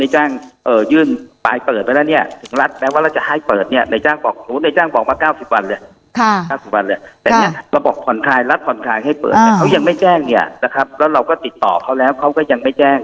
ให้เปิดเนี่ยในจ้างบอกหนูในจ้างบอกมา๙๐วันเลย๙๐วันเลยแต่เนี่ยเราบอกผ่อนคลายรัฐผ่อนคลายให้เปิดแต่เขายังไม่แจ้งเนี่ยนะครับแล้วเราก็ติดต่อเขาแล้วเขาก็ยังไม่แจ้ง